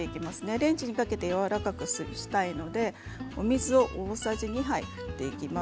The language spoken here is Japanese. レンジにかけてやわらかくしたいのでお水を大さじ２杯振っていきます。